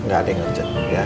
gak ada yang urgent ya